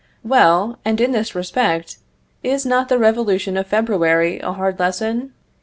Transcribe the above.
Well, and in this respect is not the revolution of February a hard lesson?